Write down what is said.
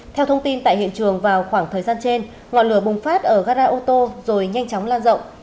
theo thông tin tại hiện trường vào khoảng thời gian trên ngọn lửa bùng phát ở gara ô tô rồi nhanh chóng lan rộng